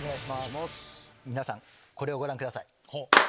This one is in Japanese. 皆さんこれをご覧ください。